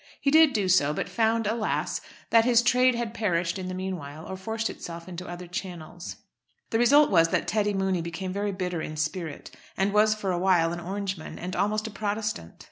He did do so, but found, alas! that his trade had perished in the meanwhile or forced itself into other channels. The result was that Teddy Mooney became very bitter in spirit, and was for a while an Orangeman, and almost a Protestant.